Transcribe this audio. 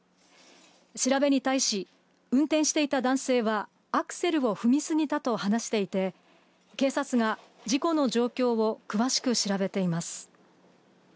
調べに対し、運転していた男性は、アクセルを踏み過ぎたと話していて、警察が事故の状況を詳しく調べています。